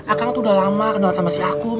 akang tuh udah lama kenal sama si akung